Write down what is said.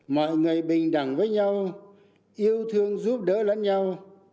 mọi người bình đẳng với nhau yêu thương giúp đỡ lẫn nhau